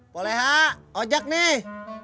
boleh ha ojak nih